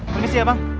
permisi ya bang